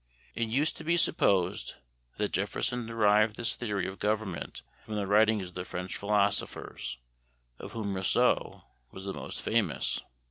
It used to be supposed that Jefferson derived this theory of government from the writings of the French philosophers, of whom Rousseau was the most famous.